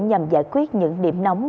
nhằm giải quyết những điểm nóng